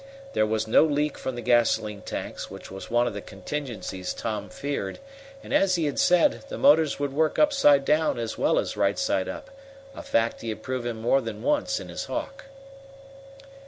There was no leak from the gasolene tanks, which was one of the contingencies Tom feared, and, as he had said, the motors would work upside down as well as right side up, a fact he had proved more than once in his Hawk.